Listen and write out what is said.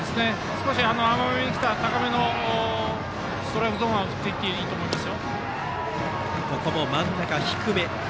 少し甘めに来た高めのストライクゾーンは振っていっていいと思います。